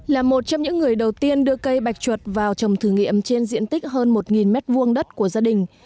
là một trong những người đầu tiên đưa cây bạch chuột vào trồng thử nghiệm trên diện tích hơn một m hai đất của gia đình